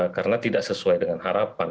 karena tidak sesuai dengan harapan